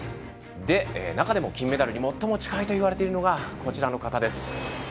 中でも金メダルに最も近いといわれているのがこちらの方です。